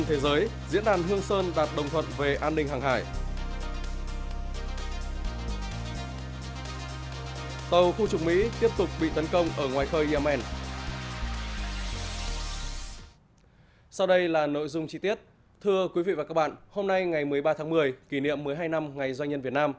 hãy đăng ký kênh để ủng hộ kênh của chúng mình nhé